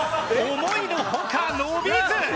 思いの外伸びず！